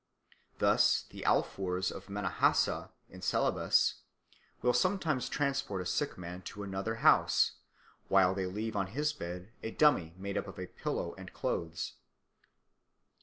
Thus the Alfoors of Minahassa, in Celebes, will sometimes transport a sick man to another house, while they leave on his bed a dummy made up of a pillow and clothes.